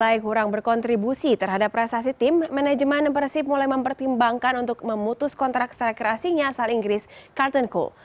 selain kurang berkontribusi terhadap prestasi tim manajemen persib mulai mempertimbangkan untuk memutus kontrak striker asingnya asal inggris carton cole